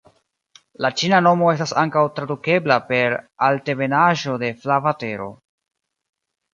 La ĉina nomo estas ankaŭ tradukebla per "Altebenaĵo de Flava Tero".